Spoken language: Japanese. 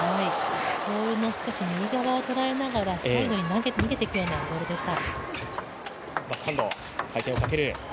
ボールの少し右側をとらえながらサイドに逃げていくようなボールでした。